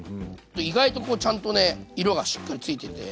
意外とこうちゃんとね色がしっかりついてて。